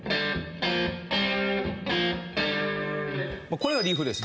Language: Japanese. これがリフです